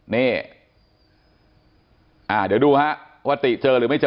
นี่เดี๋ยวดูฮะว่าติเจอหรือไม่เจอ